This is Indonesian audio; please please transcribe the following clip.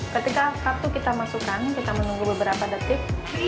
ketika kartu kita masukkan kita menunggu beberapa detik